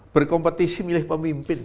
berkompetisi milih pemimpin